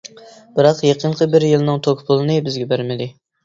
بىراق يېقىنقى بىر يىلنىڭ توك پۇلىنى بىزگە بەرمىدى.